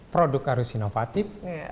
produk harus inovatif